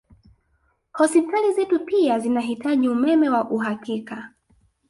Hospitali zetu pia zinahitaji umeme wa uhakika